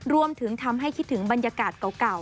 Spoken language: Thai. รวมถึงทำให้คิดถึงบรรยากาศเก่า